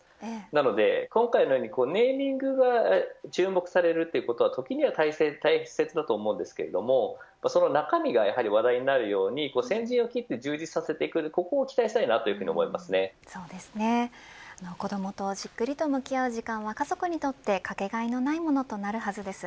なので、今回のようにネーミングが注目されるということはときには大切だと思いますがその中身が話題になるように先陣を切って充実させていくことに子どもとじっくりと向き合う時間は、家族にとってかけがえのないものとなるはずです。